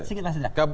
sedikit mas indra